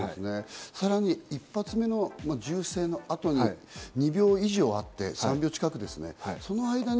さらに１発目の銃声の後に２秒以上あって、３秒近くですね。